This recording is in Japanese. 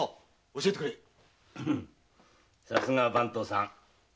さすがは番頭さん。